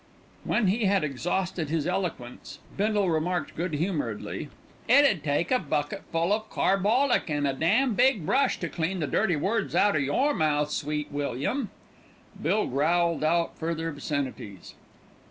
When he had exhausted his eloquence Bindle remarked good humouredly. "It 'ud take a bucketful of carbolic an' a damn big brush to clean the dirty words out o' your mouth, Sweet William." Bill growled out further obscenities.